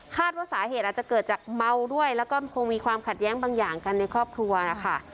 ว่าสาเหตุอาจจะเกิดจากเมาด้วยแล้วก็คงมีความขัดแย้งบางอย่างกันในครอบครัวนะคะ